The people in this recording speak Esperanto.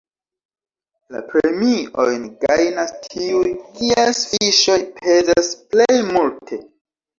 La premiojn gajnas tiuj, kies fiŝoj pezas plej multe.